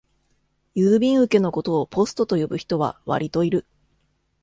郵便受けのことをポストと呼ぶ人はわりといる